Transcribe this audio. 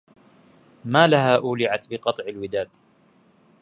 ما لها أولعت بقطع الوداد